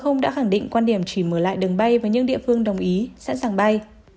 ông đã khẳng định quan điểm chỉ mở lại đường bay và những địa phương đồng ý sẵn sàng bay